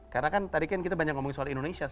karena kan tadi kan kita banyak ngomongin soal indonesia